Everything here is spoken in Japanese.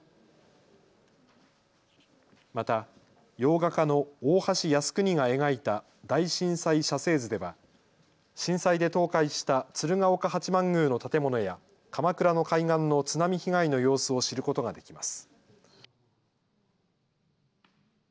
また洋画家の大橋康邦が描いた大震災写生図では震災で倒壊した鶴岡八幡宮の建物や鎌倉の海岸の津波被害の様子を知ることができます。